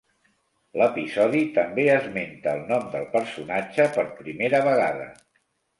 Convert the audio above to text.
L'episodi també esmenta el nom del personatge per primera vegada.